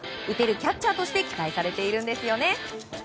打てるキャッチャーとして期待されているんですよね。